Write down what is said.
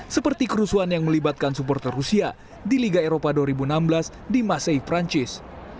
seperti kerusuhan yang melibatkan supporter rusia di liga eropa dua ribu enam belas di masehi perancis